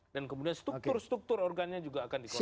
dan kemudian struktur struktur organnya juga akan dikontrol